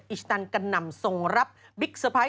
อิชิตันกำนำส่งรับบิ๊กสะพาย